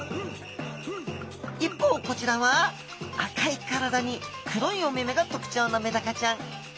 一方こちらは赤い体に黒いお目目が特徴のメダカちゃん。